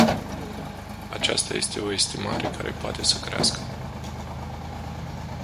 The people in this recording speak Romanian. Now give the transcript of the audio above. Aceasta este o estimare care poate să crească.